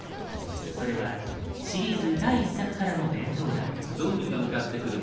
それはシリーズ第１作からの伝統だ。